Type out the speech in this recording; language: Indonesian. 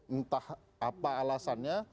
entah apa alasannya